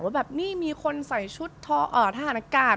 แบบนี่มีคนใส่ชุดทหารอากาศ